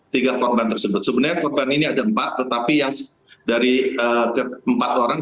tiga korban tersebut sebenarnya korban ini ada empat tetapi yang dari keempat orang